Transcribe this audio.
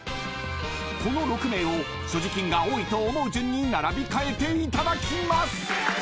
［この６名を所持金が多いと思う順に並び替えていただきます］